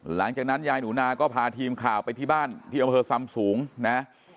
หลังจากนั้นยายหนูนาก็พาทีมข่าวไปที่บ้านที่อำเภอซำสูงนะ